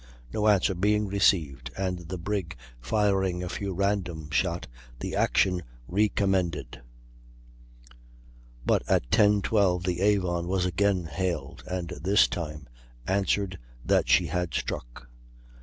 No answer being received, and the brig firing a few random shot, the action recommended; but at 10.12 the Avon was again hailed, and this time answered that she had struck.